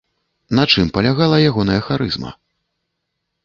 На чым палягала ягоная харызма?